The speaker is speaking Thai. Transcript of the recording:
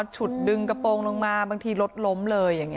ฉุดดึงกระโปรงลงมาบางทีรถล้มเลยอย่างนี้